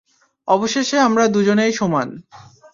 অবশেষে আমরা দুজনেই সমান।